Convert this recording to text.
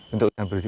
untuk hutan produksi